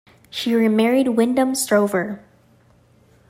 She remarried Wyndham Strover.